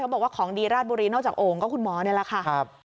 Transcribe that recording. บอกว่าของดีราชบุรีนอกจากโอ่งก็คุณหมอนี่แหละค่ะ